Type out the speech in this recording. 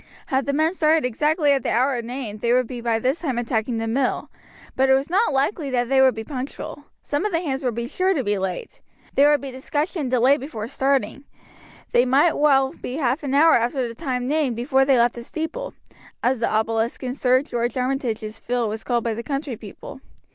Had the men started exactly at the hour named they would be by this time attacking the mill; but it was not likely that they would be punctual some of the hands would be sure to be late. There would be discussion and delay before starting. They might well be half an hour after the time named before they left the steeple, as the obelisk in Sir George Armitage's field was called by the country people.